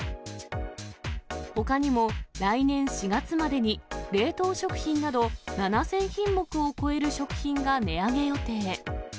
ほかにも、来年４月までに冷凍食品など７０００品目を超える食品が値上げ予定。